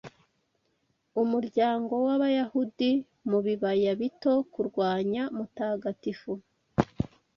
Umuryango w'Abayahudi Mubibaya bito Kurwanya Mutagatifu